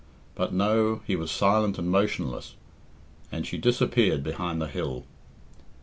But no; he was silent and motionless, and she disappeared behind the hill.